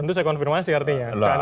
tentu saya konfirmasi artinya